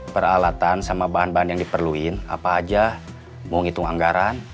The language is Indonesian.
peralatan sama bahan bahan yang diperlukan apa aja mau ngitung anggaran